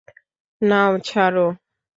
নাও, ছাড়ো!